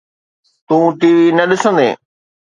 تون T V نه ڏسندين؟